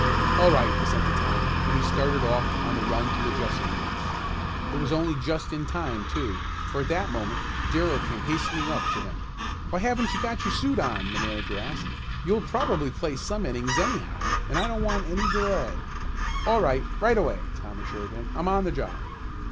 "All right," assented Tom, and he started off on a run to the dressing rooms. It was only just in time, too, for at that moment Darrell came hastening up to him. "Why haven't you got your suit on?" the manager asked. "You'll probably play some innings anyhow, and I don't want any delay." "All right right away," Tom assured him. "I'm on the job."